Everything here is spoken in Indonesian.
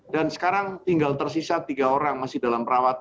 dan sekarang tinggal tersisa tiga orang masih dalam perawatan